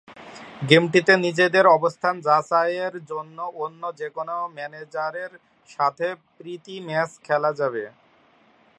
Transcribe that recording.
গেমটিতে নিজেদের অবস্থান যাচাইয়ের জন্য অন্য যেকোনো ম্যানেজারের সাথে প্রীতি ম্যাচ খেলা যাবে।